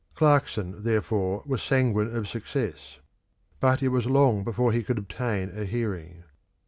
Clarkson, therefore, was sanguine of success; but it was long before he could obtain a hearing.